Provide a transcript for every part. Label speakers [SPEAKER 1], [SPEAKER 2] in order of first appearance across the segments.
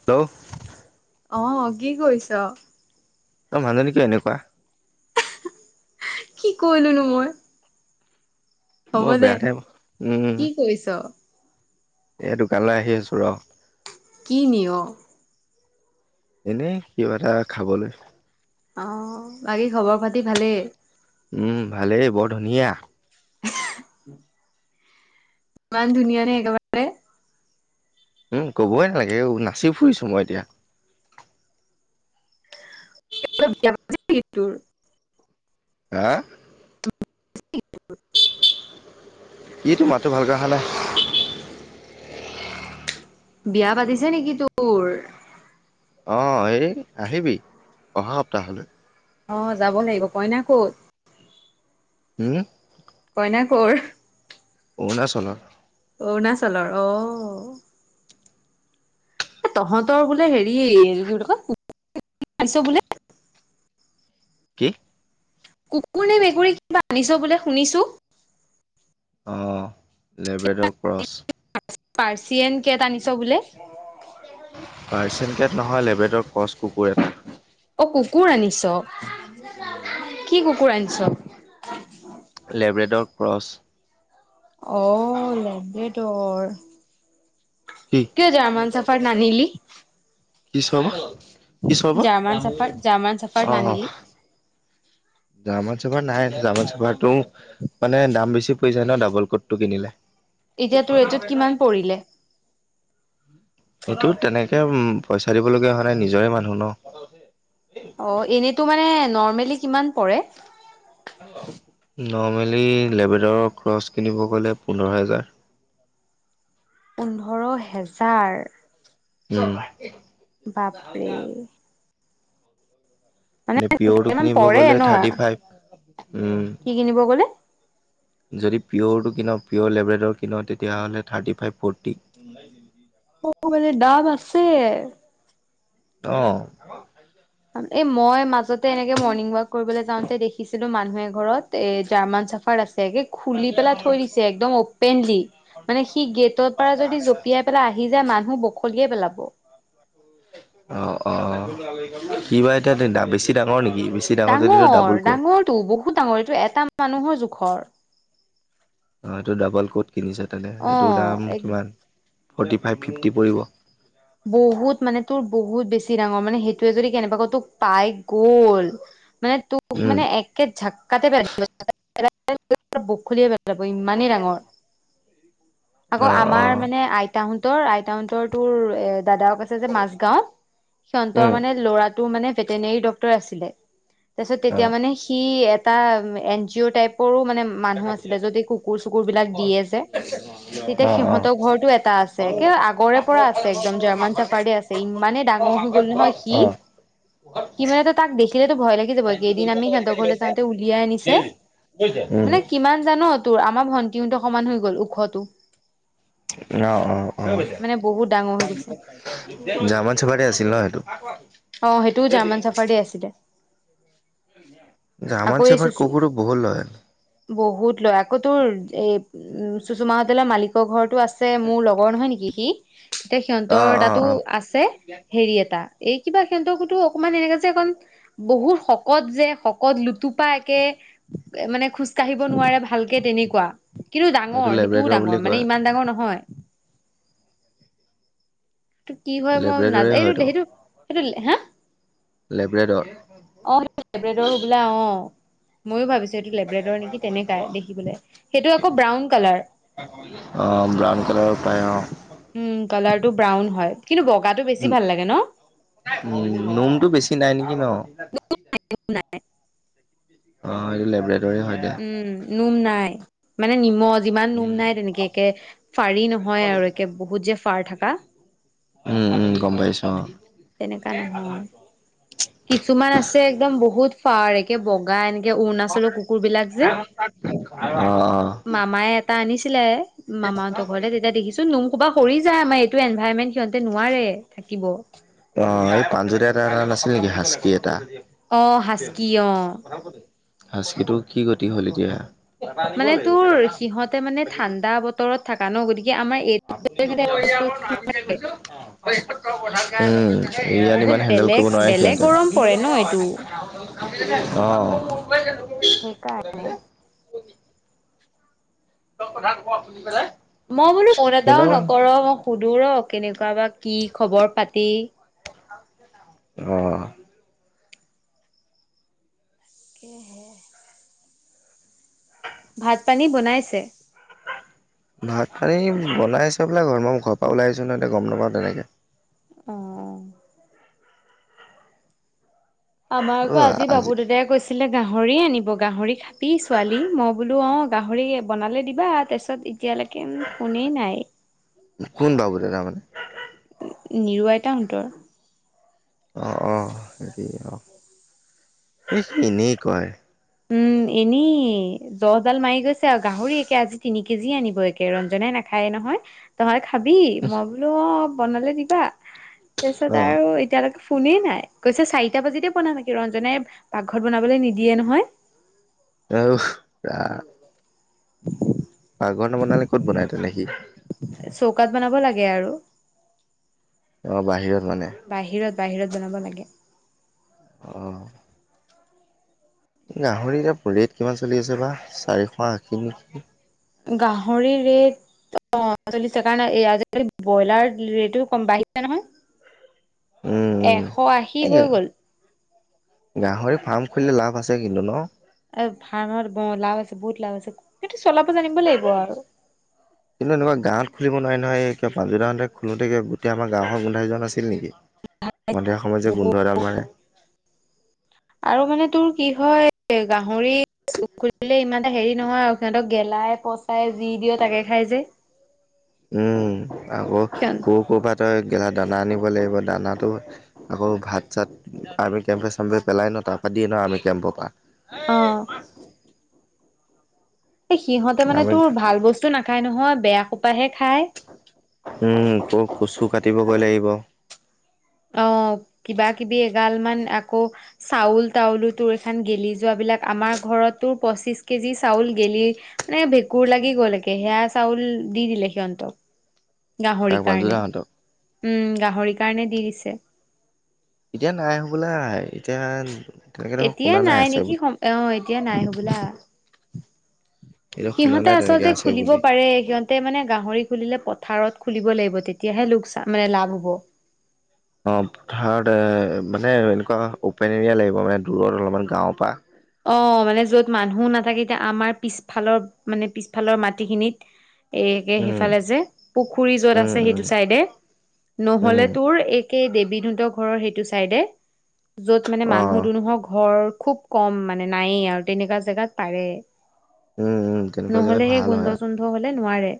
[SPEAKER 1] Hello
[SPEAKER 2] অ' কি কৰিছ?
[SPEAKER 1] তই মানুহ জনী কিয় এনেকুৱা?
[SPEAKER 2] কি কৰিলো নো মই। হ'ব
[SPEAKER 1] মই
[SPEAKER 2] দে
[SPEAKER 1] বেয়াতহে উম
[SPEAKER 2] কি কৰিছ?
[SPEAKER 1] এই দোকানলৈ আহি আছো ৰ
[SPEAKER 2] কি নিয়?
[SPEAKER 1] এনেই কিবা এটা খাবলৈ।
[SPEAKER 2] অঁ বাকী খবৰ পাতি ভালেই?
[SPEAKER 1] উম ভালেই বৰ ধুনীয়া।
[SPEAKER 2] উম। মানুনীয়া ন একাৰ
[SPEAKER 1] উম কবই নালাগে নাচি ফুৰিছো মই এতিয়া।
[SPEAKER 2] অলপয়া তোৰ
[SPEAKER 1] হা।
[SPEAKER 2] [unintelligible]
[SPEAKER 1] ইটো মাতটো ভাল কৰা খালে।
[SPEAKER 2] বিয়া পাতিছে নেকি তো?
[SPEAKER 1] অ' এই আহিবি অহা সপ্তাহলৈ।
[SPEAKER 2] অ' যাব লাগিব কইনা ক'ত?
[SPEAKER 1] হম!
[SPEAKER 2] কইনা কৰ?
[SPEAKER 1] অৰুণাচলৰ।
[SPEAKER 2] অৰুণাচলৰ অ'। তহঁতৰ বোলে হেৰি কি ক পাইছ বোলে।
[SPEAKER 1] কি?
[SPEAKER 2] কুকুৰ নে মেকুৰী কিবা আনিছ বোলে শুনিছো।
[SPEAKER 1] অ' লেব্ৰেডৰ ক্ৰছ।
[SPEAKER 2] পাৰ্চিয়েন কেট আনিছ বোলে।
[SPEAKER 1] আাৰচেনকেট নহয় লেবেদৰ কচ কুকুৰ এটা।
[SPEAKER 2] অ' কুকুৰ আনিছ কি কুকুৰ আনিছ?
[SPEAKER 1] Labrador cross.
[SPEAKER 2] অ' লেম দে তৰ।
[SPEAKER 1] কি
[SPEAKER 2] চাফাৰ নানিলি
[SPEAKER 1] কিছয় [unintelligible]
[SPEAKER 2] জাৰ্মান চাফাৰ জাৰ্মান চাফাৰ নানিলি
[SPEAKER 1] জামা চপা নাই জামা চপাটো মানে দাম বেছি পৰি যায় ন ডাবল ক'ডটো কিনিলে।
[SPEAKER 2] এতিয়া তো ৰেটোত কিমান পৰিলে?
[SPEAKER 1] এইটো তেনেকে উম পইচা দিবলগীয়া হোৱা নাই নিজৰে মানুহ ন।
[SPEAKER 2] অ' এনেতো মানে নৰ্মেলি কিমান পৰে?
[SPEAKER 1] নৰ্মেলি লেবেদাৰৰ ক্ৰচ কিনিব গ'লে পোন্ধৰ হেজাৰ।
[SPEAKER 2] পোন্ধৰ হেজাৰ।
[SPEAKER 1] নাই।
[SPEAKER 2] বাপৰে। মানে
[SPEAKER 1] মে পিয়ৰটো
[SPEAKER 2] ইমান
[SPEAKER 1] কিনিব
[SPEAKER 2] পৰে
[SPEAKER 1] গলে
[SPEAKER 2] ন
[SPEAKER 1] থাৰ্টি ফাইভ উম।
[SPEAKER 2] কি কিনিব গ'লে
[SPEAKER 1] যদি পিয়অ'ৰটো কিনও পিয়'ৰ লেব্ৰেডৰ কিনওঁ তেতিয়াহ'লে থাৰ্টি ফাইভ ফ'ৰ্টি। উম।
[SPEAKER 2] ম মানে ডাম আছে।
[SPEAKER 1] অ'।
[SPEAKER 2] এই মই মাজতে এনেকে মৰ্ণিং ৱাক কৰিবলৈ যাওঁতে দেখি কিছিলু মানুহে ঘৰত এ জাৰ্মান চাফাৰ আছেগে খুলি পেলাই থৈ দিছে একদম অপেনলি। মানে সি গেটৰ পৰা যদি জঁপিয়াই পেলাই আহি যায় মানুহ বখলিয়ে পেলাব।
[SPEAKER 1] অ' অ' কি বা এতিয়া বেছি ডাঙৰ নেকি? যদিটো
[SPEAKER 2] ডাঙৰ
[SPEAKER 1] ডাবুল কোট।
[SPEAKER 2] ডাঙৰটো বহুত ডাঙৰ এইটো এটা মানুহৰ জোখৰ।
[SPEAKER 1] অ' এইটো ডাবল ক'ড কিনিছে তেনেনে
[SPEAKER 2] অ
[SPEAKER 1] সেইটোৰ দাম
[SPEAKER 2] এক
[SPEAKER 1] কিমান ফৰ্টি ফাইভ ফিফটি পৰিব।
[SPEAKER 2] বহুত মানে তোৰ বহুত বেছি ডাঙৰ মানে সেইটোোৱে যদি কেনেবাকৈ তোক পাই গ'ল। মই তোৰ
[SPEAKER 1] উম
[SPEAKER 2] [unintelligible]
[SPEAKER 1] অ',
[SPEAKER 2] আকৌ আমাৰ
[SPEAKER 1] অ',
[SPEAKER 2] মানে আইতাহঁতৰ আইতাহঁতৰ তোৰ এ দাদও আছে যে মাজগাঁও সিহঁতৰ
[SPEAKER 1] উম,
[SPEAKER 2] মানে ল'ৰাটো মানে ভেটেনেৰি ডক্তৰ আছিলে। তাৰ পিছত তেতিয়া
[SPEAKER 1] অ',
[SPEAKER 2] মানে সি এটা এন জি অ' টাইপৰো মানে। মানুহ আছিলে য'ত এই কুকুৰ, চুকুৰবিলাক দিয়ে যে। তেতিয়া
[SPEAKER 1] অ',
[SPEAKER 2] সিহঁতৰ ঘৰটো এটা আছে কে আগৰে পৰা আছে, একদম জাৰ্মান চাফাৰী আছে। ইমানে ডাঙৰ হৈ গ'ল নহয় সি,
[SPEAKER 1] অ',
[SPEAKER 2] সি মানে তো তাক দেখিলেতটো ভয় লাগিল। যাব কেইদিন আমি সিহঁতৰ ঘৰলে যাওঁতে উলিয়াই আনিছে মানে কিমান জান তোৰ আমাৰ ভণ্টি উটো সমান হৈ গ'ল ওখতো।
[SPEAKER 1] অ', অ', অ'।
[SPEAKER 2] মানে বহুত ডাঙৰ হৈ গৈছে
[SPEAKER 1] জামা চোপাতে আছিল ন সেইটো।
[SPEAKER 2] অ, সেইটোও জাৰ্মান চাফাৰে আছিলে। আকৌ
[SPEAKER 1] যোমাৰ
[SPEAKER 2] এই
[SPEAKER 1] চাফাৰত
[SPEAKER 2] চুচু
[SPEAKER 1] কুকুৰৰ বহুল লয়।
[SPEAKER 2] বহুত লয় আকৌ তোৰ এ উম, চুষুমতলৰ মালিকৰ ঘৰৰতটো আছে। ছে মোৰ লগৰ নহয় নেকি সি এতিয়া
[SPEAKER 1] অ',
[SPEAKER 2] সিহতৰ
[SPEAKER 1] অ',
[SPEAKER 2] এটাতো
[SPEAKER 1] অ',
[SPEAKER 2] আছে হেৰি এটা, এই কিবা সিহঁত কতো অকমান এনেকাে যে একণ বহুত শকত যে শকত লুতুপা একে মানে খোজকাঢ়িব নোৱাৰে ভালকে তেনেকুৱা। কিন্তু
[SPEAKER 1] সেইটো
[SPEAKER 2] ডাঙৰ সেইটোও
[SPEAKER 1] লেব্ৰেডৰ বুলি
[SPEAKER 2] ডাঙৰ
[SPEAKER 1] কয়
[SPEAKER 2] মানে ইমান ডাঙৰ নহয়। কি হয় মই
[SPEAKER 1] লেব্ৰেডৰে
[SPEAKER 2] নাযায় এইটো
[SPEAKER 1] হয়তো
[SPEAKER 2] সেইটো, সেইটো দিলে হা
[SPEAKER 1] লাইব্ৰেৰ
[SPEAKER 2] অ, সিবিলাক লেব্ৰেদৰ শুৱলা অ'। ময়ো ভাবিছো এইটো টেবলেটৰ নেকি তেনেককাাই দেখিবলৈ সেইটো আকৌ ব্ৰাউন কালাৰ
[SPEAKER 1] অ, ব্ৰাউন কালাৰ পাই অ'।
[SPEAKER 2] উম, কালাৰটো ব্ৰাউন হয়। কিন্তু বগাটো বেছি ভাল লাগে ন।
[SPEAKER 1] উ, নোমতটো বেছি নাই নেকি ন।
[SPEAKER 2] [inaudible]
[SPEAKER 1] অ, এইটো লেবৰেটৰে হয় দে।
[SPEAKER 2] উম, নুম নাই। মানে নিমখ যিমান নোম
[SPEAKER 1] উম,
[SPEAKER 2] নাই তেনেকে একে ফাৰি নহয় আৰু একে বহুত যে ফাৰ থাকা
[SPEAKER 1] উম, উম, গম পাইছো অ'।
[SPEAKER 2] তেনেকা নহয়। কিছুমান আছে একদম বহুত ফাৰ কে বগা এনেকে অৰুণাচলৰ কুকুৰ বিলাক যে
[SPEAKER 1] অ', অ',
[SPEAKER 2] মামাই এটা আনিছিলে মামাহঁতৰ ঘৰতে তেতিয়া দেখিছোন নোম কোবা সৰি যায় আমাৰ এইটো এনভাৰমেন্ট সিহঁতে নোৱাৰে থাকিব।
[SPEAKER 1] অ, এই পা্নজতে এটা, এটা নাছিল নেকি সাস্কি এটা।
[SPEAKER 2] অ হাচকি অ।
[SPEAKER 1] সাজ্কতিৰ কি গতি হ'ল এতিয়া?
[SPEAKER 2] মানে তোৰ সিহঁতে মানে ঠাণ্ডা বতৰত থাককা ন গতিকে আমাৰ ইত
[SPEAKER 1] আকৌ নমি কৈছো অ'। উম, ইয়াত
[SPEAKER 2] বহুত
[SPEAKER 1] ইমান হেন্দেল
[SPEAKER 2] বেলেগ
[SPEAKER 1] কৰিব নোৱাৰে
[SPEAKER 2] বেলেগ
[SPEAKER 1] সিহঁতে
[SPEAKER 2] গৰম পৰে ন এইটো
[SPEAKER 1] অ'।
[SPEAKER 2] সেই কাৰ
[SPEAKER 1] তই কথা ক'ব শুনি পেলাই।
[SPEAKER 2] মই বোলো কোন এটাও নকৰ মই সুধো ৰ কেনেকুৱা বা কি খবৰ, পাতি?
[SPEAKER 1] অ'।
[SPEAKER 2] কিহে। ভাত, পানী বনাইছে।
[SPEAKER 1] ভাত, পানী বনাই আছে বোলে ঘৰ মই ঘৰ পৰা ওলাইছোঁ নহয় এতিয়া গম নাপাওঁ তেনেকৈ
[SPEAKER 2] অ'। আমাৰ আকৌ আজি বাবু দেউতাই গৈছিলে গাহৰি আনিব গাহৰি। পি ছোৱালী মই বোলো অ, গাহৰি বনালে দিবা তাৰপিছত এতিয়ালৈকে ফোনেই নাই।
[SPEAKER 1] কোন বাবু দাদা তোমাৰ?
[SPEAKER 2] নিৰু আইতাহঁতৰ।
[SPEAKER 1] অ' অ' হেৰি অ' এনেই কয়।
[SPEAKER 2] উম এনেই জহডাল মাৰি গৈছে আৰু গাহৰি একে আজি তিনি কেজি আনিব একে ৰঞ্জাই ন খায় নহয়। নহলে খাবি মই বোলো অ' বনালে দিবা তাৰপিছত
[SPEAKER 1] অ'
[SPEAKER 2] আৰু এতিয়ালৈকে কোনেই নাই কৈছে চাৰিটা বাজিতে বনাম নেকি ৰঞ্জনোই পাকঘৰত বনাবলৈ নিদিয়ে নহয়।
[SPEAKER 1] [unintelligible]
[SPEAKER 2] [unintelligible]
[SPEAKER 1] পাকঘৰ ন বনালে ক'ত বনায় তেনে সি?
[SPEAKER 2] চৌকাত বনাব লাগে আৰু।
[SPEAKER 1] ত বাহিৰত মানে?
[SPEAKER 2] বাহিৰত বাহিৰত জনাব লাগে।
[SPEAKER 1] আহ। গাহৰি এটা ৰেট কিমান চলি আছে বা চাৰিশ আশী নকি?
[SPEAKER 2] গাহৰিৰ ৰেট অ চলিছে কাৰণ আজিকালি ব্ৰইলাৰ ৰেটো কম বাঢ়িছে নহয়।
[SPEAKER 1] উম উম
[SPEAKER 2] এশ আশী
[SPEAKER 1] এই
[SPEAKER 2] হৈ গ'ল।
[SPEAKER 1] গাহৰি ফাৰ্ম খুলিলে লাভ আছে কিন্তু ন?
[SPEAKER 2] এ ভাাত লাভ আছে বহুত লাভ আছে কিু চলাব জানিব লাগিব আৰু।
[SPEAKER 1] [unintelligible] কিন্তু এনেকাৱা গাঁৱত খুলিব নহয় এ ক পাাবজাৰাহতে খোলোতে গোটেই আমাৰ গাঁৱৰ গোধীজন আছিল নেকি? সন্ধিয়া সময় যে গোন্ধ এডাল মাৰে।
[SPEAKER 2] আৰু মানে তোৰ কি হয় এ গাহৰিখলে ইমান এটা হেৰি নহয় আৰু সিহঁতক গেলাই পচ চাই যি দিয় তাকে খাই যে।
[SPEAKER 1] উম আকৌ ক
[SPEAKER 2] সিহঁত
[SPEAKER 1] কৰ'ৰবাত গিলা দানা আনিব লাগিব দানাটো আকৌ ভাত চাত আৰ্মি কেম্পে চামে পেলাই ন তাৰপৰা দিয়ে ন আৰ্মি কেম্পৰ পৰা।
[SPEAKER 2] অ'। এই সিহঁতে মানে
[SPEAKER 1] আৰ্মি
[SPEAKER 2] তোৰ ভাল বস্তু নাখায় নহয় বেয়া সোপাহাহে খাই।
[SPEAKER 1] উম ক কচু কাটিবগৈ লাগিব।
[SPEAKER 2] অ' কিবা কিবি এগাল মান আকৌ চাউল তাউলোটো এইখন গেলি যোৱাবিলাক আমাৰ ঘৰতো পঁচিছ কেজি চাউল গেলি মানে ভেঁকুৰ লাগি গল একে সেয়া চাউল দি দিলে সিহঁতক। গাহৰি
[SPEAKER 1] কাক
[SPEAKER 2] কাৰণে
[SPEAKER 1] পাঞ্জুদাহঁতক
[SPEAKER 2] উম গাহৰি কাৰণে দি দিছে।
[SPEAKER 1] এতিয়া নাই হ'বলা এতিয়া? তেনেকে দেখোন
[SPEAKER 2] এতিয়া
[SPEAKER 1] শুনা
[SPEAKER 2] নাই
[SPEAKER 1] আছে
[SPEAKER 2] নেকি
[SPEAKER 1] বুলি
[SPEAKER 2] আহ এতিয়া নাই হবোলা।
[SPEAKER 1] এতিয়া শুনা
[SPEAKER 2] সিহঁতে
[SPEAKER 1] নাই তেনেকে
[SPEAKER 2] আচলতে
[SPEAKER 1] আছে
[SPEAKER 2] খুলিব
[SPEAKER 1] বুলি
[SPEAKER 2] পাৰে তাতে মানে গাহৰি খুলিলে পথাৰত খুলিব লাগিব তেতিয়াহে লোকচা মানে লাভ হ'ব।
[SPEAKER 1] অ পথাৰত এ মানে এনেকুৱা অপেন এৰিয়া লাগিব মানে দূৰত অলপমান গাঁওৰ পৰা।
[SPEAKER 2] অ মানে যত মানুহো নাথাকে এতিয়া আমাৰ পিছফালৰ মানে পিছফালৰ মাটিখিনিত এইে
[SPEAKER 1] উম
[SPEAKER 2] সেইফালে যে পুখুৰী যত
[SPEAKER 1] উম
[SPEAKER 2] আছে
[SPEAKER 1] উম
[SPEAKER 2] সেইটো চাইডে, নহলে
[SPEAKER 1] উম
[SPEAKER 2] তোৰ এইেই দেৱীদত ঘৰৰ সেইটো চাইডে। য'ত মানে
[SPEAKER 1] অ
[SPEAKER 2] মানুহ দুনুহৰ ঘৰ খুব কম মানে নায় আৰু তেনেকুৱা জেগাত পাৰে
[SPEAKER 1] উম উম তেনেকুৱা জেগাত
[SPEAKER 2] নহলে সেই
[SPEAKER 1] ভাল হয় আৰু।
[SPEAKER 2] গোন্ধ হলে নোৱাৰে।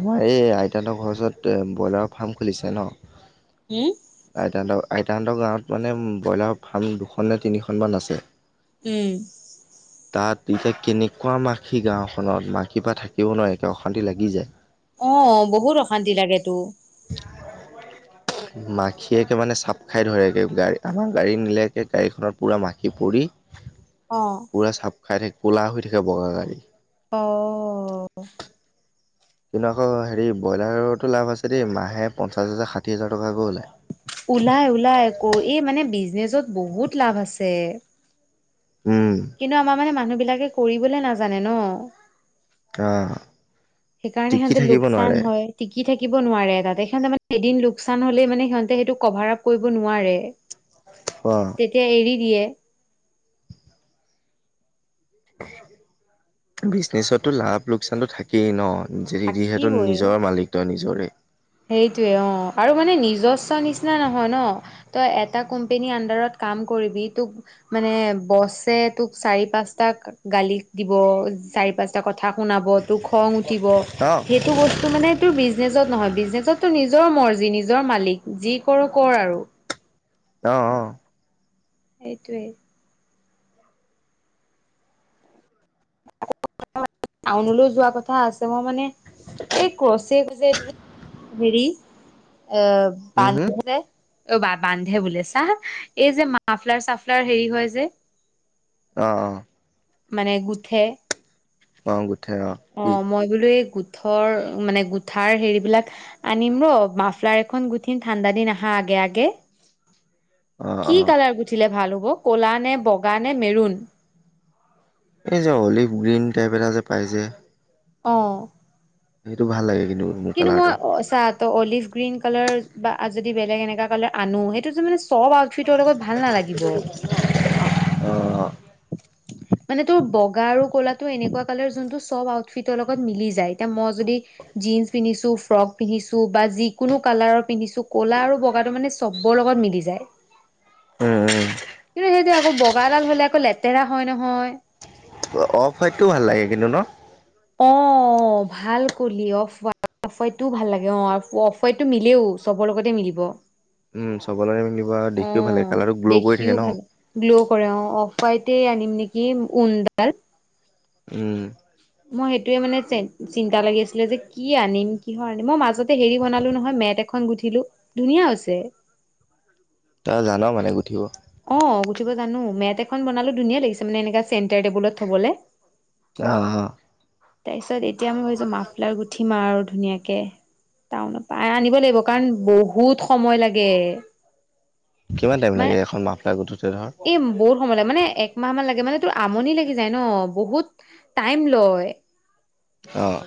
[SPEAKER 1] আমাৰ এই আইতাহতৰ ঘৰ ওচৰত ব্ৰইলাৰৰ ফাৰ্ম খুলিছে ন?
[SPEAKER 2] উম?
[SPEAKER 1] আইতাহতৰ আইতাহঁতৰ গাঁৱত মানে ব্ৰইলাৰৰ ফাৰ্ম দুখন নে তিনিখনমান আছে।
[SPEAKER 2] উম।
[SPEAKER 1] [unintelligible] তাত এতিয়া কেনেকুৱা মাখি গাওখনত মাখিৰ পৰা থাকিব নোৱাৰে একে অশান্তি লাগি যায়।
[SPEAKER 2] অ বহুত অশান্তি লাগে তো।
[SPEAKER 1] [unintelligible] মাখিয়াকে মানে চাপ খাই ধৰেগৈ গাড়ী আমাৰ গাড়ী নিলেকে গাড়ীখনত পূৰা মাখি পৰি [unintelligible]
[SPEAKER 2] অ'।
[SPEAKER 1] পূৰা চাফ খাই থাকে প'লা হৈ থাকেগাড়ী।
[SPEAKER 2] অ'।
[SPEAKER 1] কিন্তু আকৌ হেৰি ব্ৰইলাৰতো লাভ আছে দেই মাহে পঞ্চাছ হাজাৰ ষাঠি হাজাৰ টকাকৈ ওলায়।
[SPEAKER 2] ওলাই ওলাই আকৌ এই মানে বিজনেছত বহুত লাভ আছে।
[SPEAKER 1] উম।
[SPEAKER 2] কিন্তু আমাৰ মানে মানুহ বিলাকে কৰিবলে নাজানে ন।
[SPEAKER 1] আহ
[SPEAKER 2] সেইকাৰণে
[SPEAKER 1] টিকি
[SPEAKER 2] সিহঁতে
[SPEAKER 1] থাকিব
[SPEAKER 2] লোকচান
[SPEAKER 1] নোৱাৰে
[SPEAKER 2] হয়। টিকি থাকিব নোৱাৰে তাতে সিহঁতে মানে এদিন লোকচান হ'লেই মানে সিহঁতে সেইটো কভাৰ আপ কৰিব নোৱাৰে।
[SPEAKER 1] অ'।
[SPEAKER 2] তেতিয়া এৰি দিয়ে।
[SPEAKER 1] বিজনেচতটো লাভ লোকচানটো থাকে। সেই ন যিহেতু
[SPEAKER 2] থাকিবই
[SPEAKER 1] নিজৰ মালিকট নিজৰে।
[SPEAKER 2] সেইটোৱে অঁ আৰু মানে নিজস্ব নিচিনা নহয় ন তই এটা কোম্পেনীৰ আডাৰত কাম কৰিবি তোক মানে বছে তোক চাৰি পাঁচটা গালি দিব চাৰি পাঁচটা কথা শুনাব। খং উঠিব
[SPEAKER 1] অ
[SPEAKER 2] সেইটো বস্তু মানেটো বিজনেচত নহয়। নিজত তো নিজৰ মৰ্জি নিজৰ মালিক যি কৰো কৰ আৰু।
[SPEAKER 1] অহ অ'।
[SPEAKER 2] এইটোৱেই। টাউনলৈ যোৱা কথা আছে। মই মানে এই ক্ৰচ গৈছে এইটো যে হেৰি এ
[SPEAKER 1] উম হম
[SPEAKER 2] বান্ধে অ বা বান্ধে বোলেছা হা এই যে মাফলাৰ চাফলাৰ হেৰি হয় যে
[SPEAKER 1] অ', অ'।
[SPEAKER 2] মানে গুঠে।
[SPEAKER 1] অ'। গোঠে কি
[SPEAKER 2] অ' মই বোলো এই গোঠৰ মানে গোঠাৰ হেৰিবলাক আনিম ৰ মাফলাৰ এখন গুঠিন ঠাণ্ডা দিন আহা আগে আগে।
[SPEAKER 1] অ
[SPEAKER 2] কি
[SPEAKER 1] অ
[SPEAKER 2] কালাৰ গুঠিলে ভাল হ'ব কলা নে বগা নে মেৰুন?
[SPEAKER 1] এই যে অলিভ গ্ৰীণ টাইপ এটা যে পাই যে।
[SPEAKER 2] অ'।
[SPEAKER 1] সেইটো ভাল লাগে কিন্তু। মোৰ
[SPEAKER 2] কিন্তু মই
[SPEAKER 1] কালাৰটো
[SPEAKER 2] চাহ ত অলিভ গ্ৰীণ কালাৰ বা যদি বেলেগ এনেকা কালাৰ আনো সেইটো যে মানে চব আচিটৰ লগত ভাল নালাগিব।
[SPEAKER 1] অ'।
[SPEAKER 2] মানে তোৰ বগা আৰু ক'লাতটো এনেকুৱা কালাৰ যোনটো চব আউটফিটৰ লগত মিলি যায় এতিয়া মই যদি জীন্ছ পিন্ধিছো ফ্ৰক পিন্ধিছো বা যিকোনো কালাৰৰ পিন্ধিছো ক'লা আৰু বগাটো মানে চবৰ লগত মিলি যায়।
[SPEAKER 1] উ
[SPEAKER 2] কিন্তু সেইটো আকৌ বগাডাল হ'লে আকৌ লেতেৰা হয় নহয়।
[SPEAKER 1] অফ হয়াইটটো ভাল লাগে কিন্তু ন।
[SPEAKER 2] অ' ভাল কলি অফ। অফাৰটোও ভাল লাগে অ অফাৰটো মিলেও চবৰ লগতে মিলিব।
[SPEAKER 1] উম চবলৈৰে মিলিব আৰু
[SPEAKER 2] অ
[SPEAKER 1] দেখিও ভালাগে কালাৰটো গ্ল' কৰি থাকে
[SPEAKER 2] দেখিও
[SPEAKER 1] ন।
[SPEAKER 2] ভাল গ্ল' কৰে অ অফ হৱাইট আনিম নেকি উনডাল।
[SPEAKER 1] উম।
[SPEAKER 2] মই সেইটোৱে মানে চিন্তা লাগি আছিলে যে কি আনিম কিহৰ আনিম মই মাজত হেৰি বনালো নহয় মেট এখন গুঠিলো ধুনীয়া আছে।
[SPEAKER 1] তই জান মানে গুঠিব।
[SPEAKER 2] অ, উঠিব জানো মেট এখন বনালো ধুনীয়া লাগিছে মানে এনেককা চেণ্টাৰ টেবুলত থবলৈ।
[SPEAKER 1] অ', অ'।
[SPEAKER 2] তাৰপিছত এতিয়া মই ভাবিছো মাফলাৰ গুঠি ম আৰু ধুনীয়াকে টাউন পৰা আনিব লাগিব কাৰণ বহুত সময় লাগে।
[SPEAKER 1] কিমান টাইম লাগে এখন মাফলা গুঠোতে ধৰ?
[SPEAKER 2] এ বহুত সময় লাগে মানে একমাহ মান লাগে মানে তোৰ আমনি লাগি যায় ন বহুত তইম লয়।
[SPEAKER 1] অ'।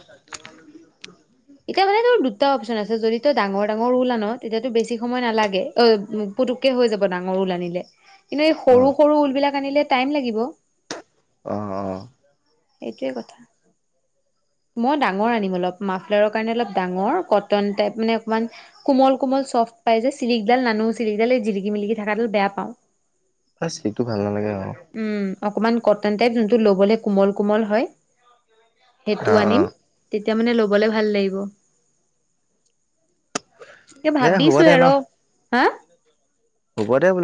[SPEAKER 2] এতিয়া মানে তোৰ দুটা অপচন আছে যদি তই ডাঙৰ, ডাঙৰ ৰুল আন তেতিয়াতো বেছি সময় নালাগে অ'। পুটুককে হৈ যাব ডাঙৰ ঊল আনিলে কিন্তু এই
[SPEAKER 1] অ
[SPEAKER 2] সৰু, সৰু ঊল বিলাক আনিলে টাইম লাগিব।
[SPEAKER 1] অ', অ'।
[SPEAKER 2] সেইটোৱে কথা। মই ডাঙৰ আনিম অলপ মাফলাৰৰ কাৰণে অলপ ডাঙৰ কটন টাইপ মানে অকমান কোমল কোমল চফ্ট পাই যে চিৰিকডাল নানো চিৰিকডালে জিলৰিকি মিলিকি থকাডাল বেয়া পাওঁ।
[SPEAKER 1] সেইটো ভাল নালাগে আৰু।
[SPEAKER 2] উম, অকনমান কটন টাইপ যোনটো ল'বলে কোমল, কোমল হয়। সেইটো
[SPEAKER 1] অ অ
[SPEAKER 2] আনিম তেতিয়া মানে ল'বলে ভাল লাগিব। [unintelligible]
[SPEAKER 1] দে হ'ব
[SPEAKER 2] ভাবিছো
[SPEAKER 1] দে ন
[SPEAKER 2] আৰু ৰ, হা?
[SPEAKER 1] হ'ব দে বোলে।